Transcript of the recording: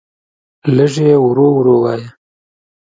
لږ یی ورو ورو وایه